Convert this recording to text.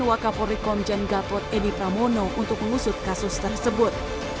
dan juga kapolri komjen gatot edi pramono untuk mengusut kasus tersebut